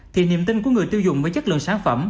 thì niềm tin của người tiêu dùng với chất lượng sản phẩm